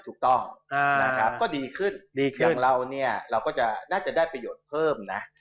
ถูกต้องนะครับก็ดีขึ้นอย่างเราเนี่ยเราก็จะน่าจะได้ประโยชน์เพิ่มนะ